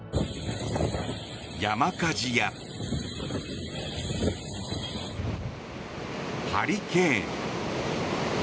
山火事やハリケーン。